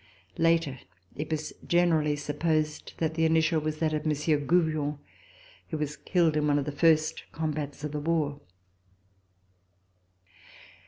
Later it was generally sup posed that the initial was that of Monsieur Gouvion who was killed in one of the first combats of the war.